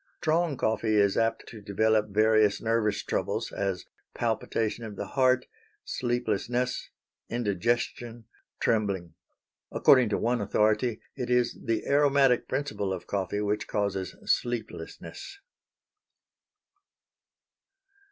Strong coffee is apt to develop various nervous troubles, as palpitation of the heart, sleeplessness, indigestion, trembling. According to one authority, it is the aromatic principle of coffee which causes sleeplessness.